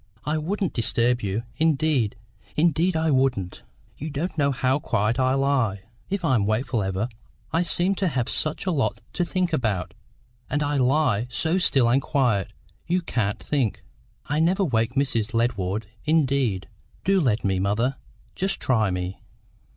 I wouldn't disturb you; indeed, indeed I wouldn't! You don't know how quiet I lie. If I'm wakeful ever I seem to have such a lot to think about, and I lie so still and quiet, you can't think. I never wake Mrs. Led ward, indeed. Do let me, mother; just try me!"